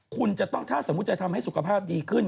คุณจะต้องถ้าสมมุติจะทำให้สุขภาพดีขึ้น